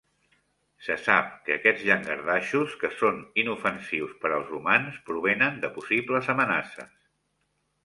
Se sap que aquests llangardaixos, que són inofensius per als humans, provenen de possibles amenaces.